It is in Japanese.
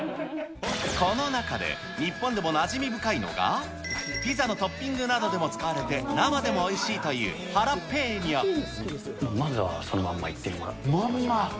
この中で、日本でもなじみ深いのが、ピザのトッピングなどでも使われて、生でもおいしいといまずはそのまんまいってもらまんま？